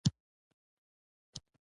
پکورې له ګرم تیلو سره پخېږي